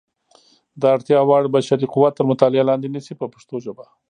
د اړتیا وړ بشري قوت تر مطالعې لاندې نیسي په پښتو ژبه.